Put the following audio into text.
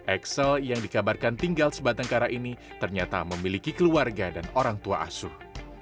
axel yang dikabarkan tinggal sebatang kara ini ternyata memiliki keluarga dan orang tua asuh